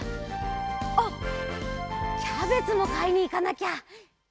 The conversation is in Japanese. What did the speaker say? あっキャベツもかいにいかなきゃ。